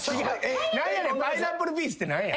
何やねんパイナップルピースって何や？